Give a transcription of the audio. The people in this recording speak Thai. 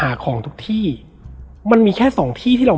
แล้วสักครั้งหนึ่งเขารู้สึกอึดอัดที่หน้าอก